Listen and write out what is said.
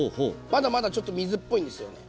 まだまだちょっと水っぽいんですよね。